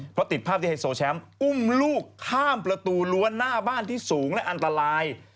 เพราะติดภาพที่ไฮโซแชมป์อุ้มลูกข้ามประตูรั้วหน้าบ้านที่สูงและอันตราย